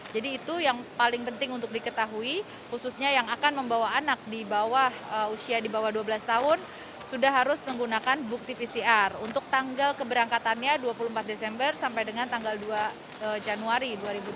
jadi itu yang paling penting untuk diketahui khususnya yang akan membawa anak di bawah usia di bawah dua belas tahun sudah harus menggunakan bukti pcr untuk tanggal keberangkatannya dua puluh empat desember sampai dengan tanggal dua januari dua ribu dua puluh dua